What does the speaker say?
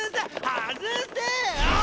外せよ！